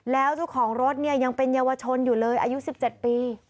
แล้วเจ้าของรถเนี่ยยังเป็นเยาวชนอยู่เลยอายุ๑๗ปี